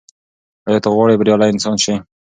ایا ته غواړې بریالی انسان سې؟